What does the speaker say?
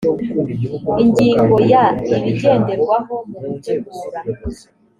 ingingo ya ibigenderwaho mu gutegura